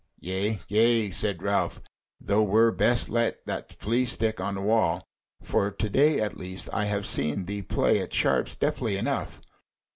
"Yea, yea," said Ralph. "Thou were best let that flea stick on the wall. For to day, at least, I have seen thee play at sharps deftly enough."